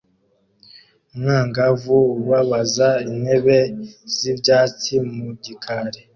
Umwangavu ubabaza intebe z'ibyatsi mu gikari